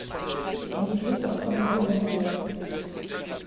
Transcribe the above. Man spricht auch vom Eisenwert.